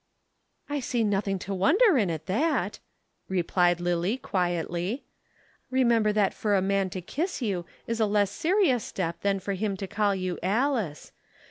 '" "I see nothing to wonder at in that," replied Lillie quietly. "Remember that for a man to kiss you is a less serious step than for him to call you Alice.